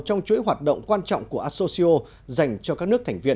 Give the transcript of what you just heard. trong chuỗi hoạt động quan trọng của asocio dành cho các nước thành viên